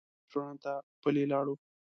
نږدې رسټورانټ ته پلي لاړو.